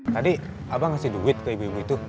tadi abang ngasih duit ke ibu ibu itu